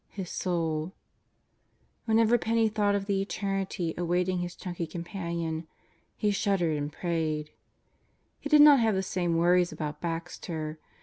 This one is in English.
His soul ... Whenever Penney thought of the eternity awaiting his chunky companion, he shuddered and prayed. He did not have the same worries about Baxter.